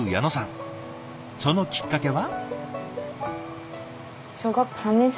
そのきっかけは？